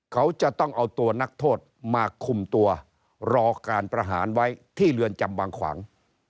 เขาจะต้องเอาตัวนักโทษมาคุมตัวรอการประหารไว้ที่เรือนจำบางขวาง